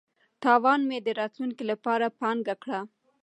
تاوان مې د راتلونکي لپاره پانګه کړه.